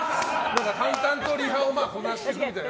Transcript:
淡々とリハをこなしていくみたいな。